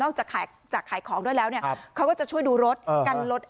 นอกจากขายของด้วยแล้วเขาก็จะช่วยดูรถ